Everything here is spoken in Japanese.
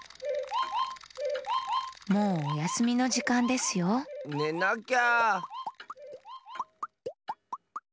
もうおやすみのじかんですよねなきゃ。